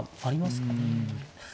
ありますかね。